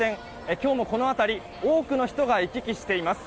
今日もこの辺り多くの人が行き来しています。